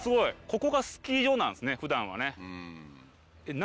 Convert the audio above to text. ここがスキー場なんすねふだんはね。